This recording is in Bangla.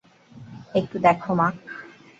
একটু দেখো, মা।